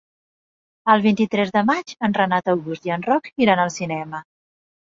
El vint-i-tres de maig en Renat August i en Roc iran al cinema.